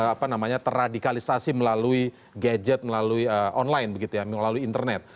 apa namanya terradikalisasi melalui gadget melalui online begitu ya melalui internet